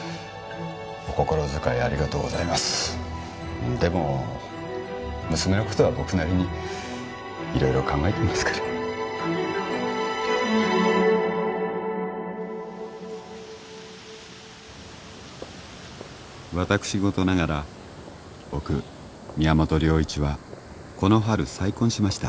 お心遣いありがとうございますでも娘のことは僕なりに色々考えてますから私事ながら僕宮本良一はこの春再婚しました